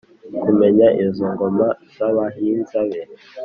kumenya izo ngoma z’abahinza be